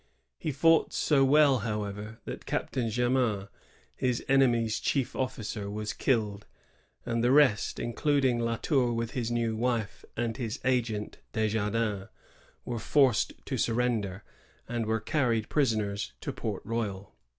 He fought so well, however, that Cap tain Jamin, his enemy's chief officer, was killed; and the rest, including La Tour, his new wife, and his agent Desjardins, were forced to surrender, and were carried prisoners to Port Royal.